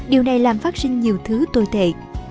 điều này làm phát sinh nhiều thứ tồi tệ